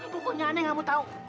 pokoknya aneh gak mau tau